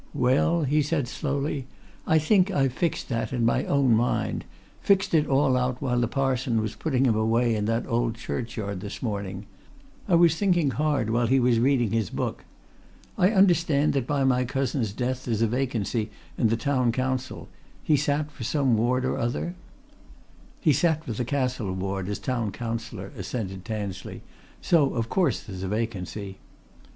"Well," he said slowly, "I think I've fixed that in my own mind, fixed it all out while the parson was putting him away in that old churchyard this morning I was thinking hard while he was reading his book. I understand that by my cousin's death there's a vacancy in the Town Council he sat for some ward or other?" "He sat for the Castle Ward, as Town Councillor," assented Tansley. "So of course there's a vacancy."